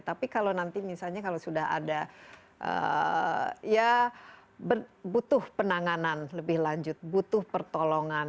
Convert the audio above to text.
tapi kalau nanti misalnya kalau sudah ada ya butuh penanganan lebih lanjut butuh pertolongan